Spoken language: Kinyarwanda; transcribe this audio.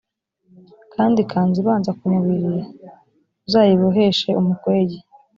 kandi ikanzu ibanza ku mubiri uzayiboheshe umukwege